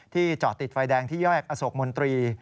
ที่เจาะติดไฟแดงที่เยี่ยวแอบอโศกมนตรี